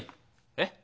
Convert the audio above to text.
えっ？